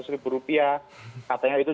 dua ratus ribu rupiah katanya itu